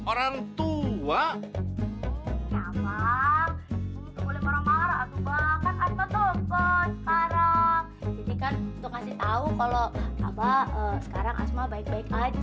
jadi kan untuk ngasih tau kalau abah sekarang asma baik baik aja